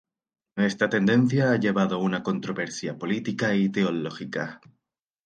Esta tendencia ha llevado a una controversia política y teológica.